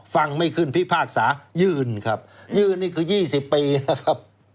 ฟังไม่ขึ้นพิพากษายื่นครับยื่นนี่คือยี่สิบปีนะครับ